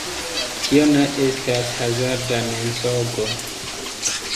Tio ne estas hazarda mensogo.